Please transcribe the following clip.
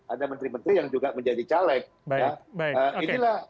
ada menteri menteri yang juga menjadi caleg